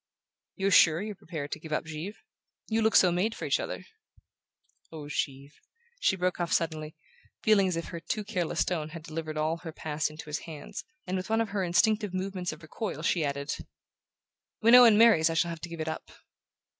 "You're sure you're prepared to give up Givre? You look so made for each other!" "Oh, Givre " She broke off suddenly, feeling as if her too careless tone had delivered all her past into his hands; and with one of her instinctive movements of recoil she added: "When Owen marries I shall have to give it up."